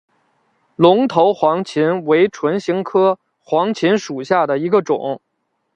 龙头黄芩为唇形科黄芩属下的一个种。